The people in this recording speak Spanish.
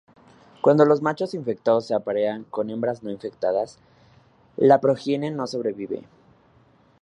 Cuando los machos infectados se aparean con hembras no infectadas, la progenie no sobrevive.